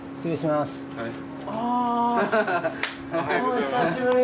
お久しぶり。